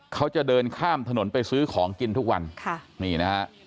เขาจะเดินข้ามถนนไปซื้อของกินทุกวัน